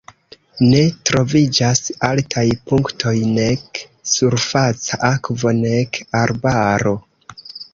Ne troviĝas altaj punktoj, nek surfaca akvo, nek arbaro.